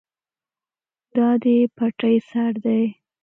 دا د پټی سر دی.